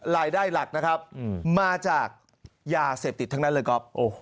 รายได้หลักนะครับมาจากยาเสพติดทั้งนั้นเลยก๊อฟ